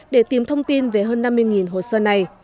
để tìm thông tin về hơn năm mươi hồ sơ này